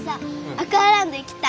アクアランド行きたい。